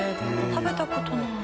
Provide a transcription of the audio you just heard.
食べたことない。